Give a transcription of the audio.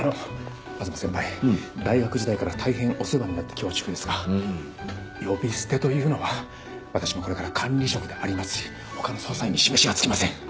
大学時代から大変お世話になって恐縮ですが呼び捨てというのは私もこれから管理職でありますし他の捜査員に示しがつきません！